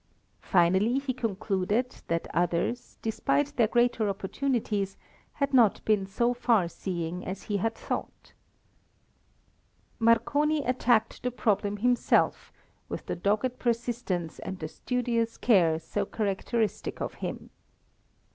Finally he concluded that others, despite their greater opportunities, had not been so far seeing as he had thought. Marconi attacked the problem himself with the dogged persistence and the studious care so characteristic of him.